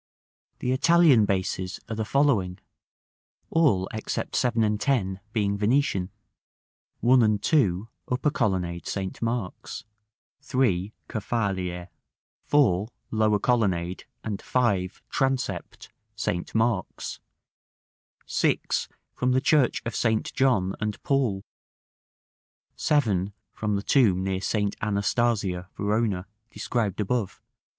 The Italian bases are the following; all, except 7 and 10, being Venetian: 1 and 2, upper colonnade, St. Mark's; 3, Ca' Falier; 4, lower colonnade, and 5, transept, St. Mark's; 6, from the Church of St. John and Paul; 7, from the tomb near St. Anastasia, Verona, described above (p.